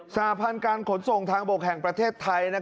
หพันธ์การขนส่งทางบกแห่งประเทศไทย